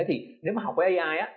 thì nếu mà học với ai